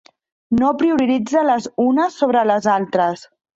No prioritza les unes sobre les altres.